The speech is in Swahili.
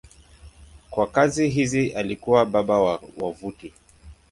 Kwa kazi hizi alikuwa baba wa wavuti.